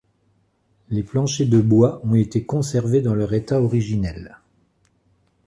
Les planchers de bois ont été conservés dans leur état originel.